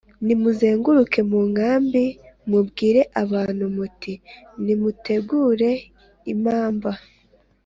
nimuzenguruke mu nkambi mubwire abantu muti nimutegure impamba